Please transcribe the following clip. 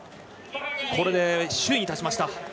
これで首位に立ちました。